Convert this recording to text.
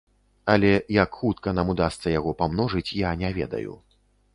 Але, як хутка нам удасца яго памножыць, я не ведаю.